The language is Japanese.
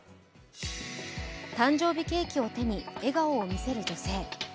誕生日ケーキを手に笑顔を見せる女性。